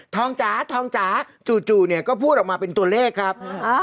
จ๋าทองจ๋าจู่เนี่ยก็พูดออกมาเป็นตัวเลขครับ